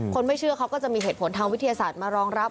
ไม่เชื่อเขาก็จะมีเหตุผลทางวิทยาศาสตร์มารองรับ